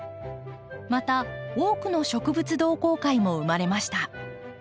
また多くの植物同好会も生まれました。